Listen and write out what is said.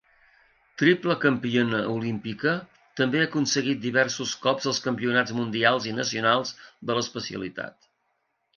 Triple campiona olímpica, també ha aconseguit diversos cops els campionats mundials i nacionals de l'especialitat.